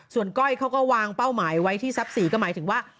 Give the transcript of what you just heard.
ส่วนก้อยเขาก็วางเป้าหมายไว้ที่ทรัพย์๔ก็หมายถึงว่า